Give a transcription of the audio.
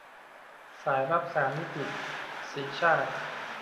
สายลับสามมิติ - สีชาติ